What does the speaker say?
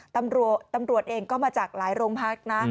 ตำรวจเองก็มาจากหลายโรงพักนะ